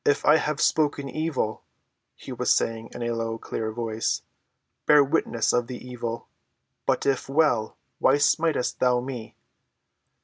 "If I have spoken evil," he was saying in a low, clear voice, "bear witness of the evil; but if well, why smitest thou me?"